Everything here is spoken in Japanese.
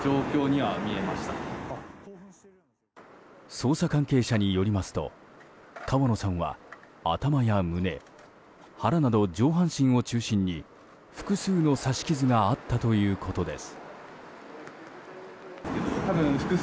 捜査関係者によりますと川野さんは頭や胸、腹など上半身を中心に複数の刺し傷があったということです。